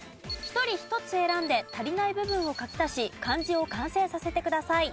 １人１つ選んで足りない部分を書き足し漢字を完成させてください。